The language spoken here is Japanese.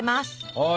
はい！